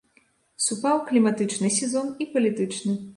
Супаў кліматычны сезон і палітычны.